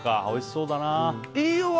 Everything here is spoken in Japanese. おいしそうだな。